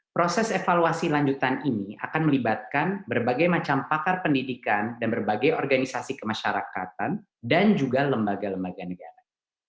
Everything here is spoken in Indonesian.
proses evaluasi lanjutan ini akan melibatkan berbagai macam pakar pendidikan dan berbagai organisasi kemasyarakatan dan juga lembaga lembaga negara